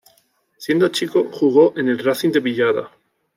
Siendo chico, jugó en el Racing de Villada.